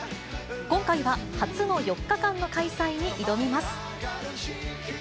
今回は初の４日間の開催に挑みます。